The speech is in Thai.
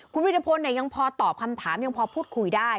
คุณวิทยาพลยังพอตอบคำถามยังพอพูดคุยได้